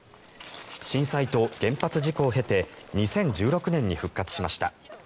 震災と原発事故を経て２０１６年に復活しました。